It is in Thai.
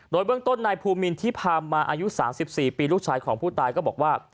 โดยเบื้องต้นนายภูมินที่พามมาอายุ๓๔ปีลูกชายของผู้ตายก็บอกว่า